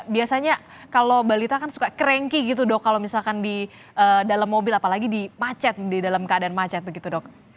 biasanya kalau balita kan suka krankie gitu dok kalau misalkan di dalam mobil apalagi di macet di dalam keadaan macet begitu dok